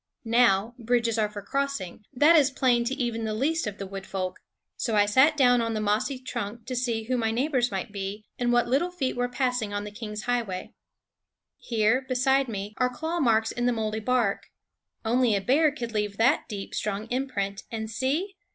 Now, bridges are for crossing; that is plain to even the least of the wood folk; so I sat down on the mossy trunk to see who my neighbors might be, and what little feet were passing on the King's highway. Here, beside me, are claw marks in the moldy bark. Only a bear could leave that deep, strong imprint. And see!